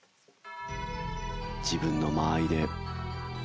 自分の間合いで。